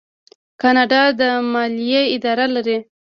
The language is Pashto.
کاناډا د مالیې اداره لري.